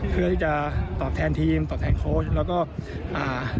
เพื่อที่จะตอบแทนทีมตอบแทนโค้ชแล้วก็อ่า